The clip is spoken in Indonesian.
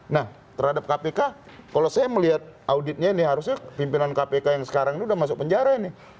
nah terhadap kpk kalau saya melihat auditnya ini harusnya pimpinan kpk yang sekarang ini sudah masuk penjara ini